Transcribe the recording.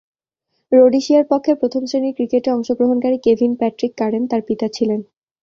রোডেশিয়ার পক্ষে প্রথম-শ্রেণীর ক্রিকেটে অংশগ্রহণকারী কেভিন প্যাট্রিক কারেন তার পিতা ছিলেন।